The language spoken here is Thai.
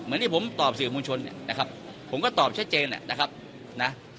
เหมือนที่ผมตอบสื่อมงชนนะครับผมก็ตอบชัดเจนนะครับนะ